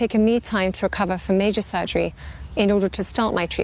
dengan cara yang berharga untuk mereka